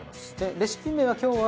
レシピ名は今日は。